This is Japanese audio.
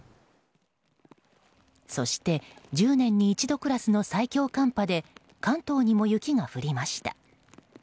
そして１０年に一度クラスの最強寒波で関東にも雪が降りました。